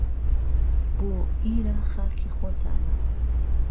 بۆ ئیره خاکی خۆتانه